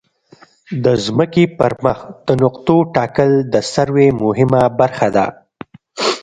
د ځمکې پر مخ د نقطو ټاکل د سروې مهمه برخه ده